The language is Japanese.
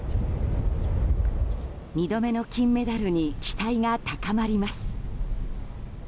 ２度目の金メダルに期待が高まります。